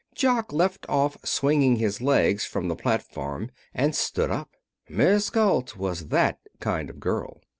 Jock left off swinging his legs from the platform and stood up. Miss Galt was that kind of girl.